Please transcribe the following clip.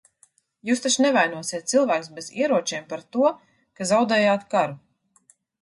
Jūs taču nevainosiet cilvēkus bez ieročiem par to, ka zaudējāt karu?